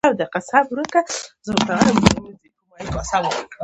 ښه چلند او اخلاق د انسان د شخصیت ښکارندویي کوي.